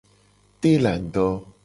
Telado.